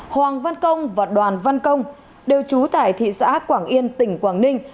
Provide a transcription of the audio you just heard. hoàng văn công và đoàn văn công đều trú tại thị xã quảng yên tỉnh quảng ninh